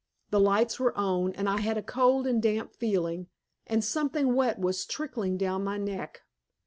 The lights were on, and I had a cold and damp feeling, and something wet was trickling down my neck.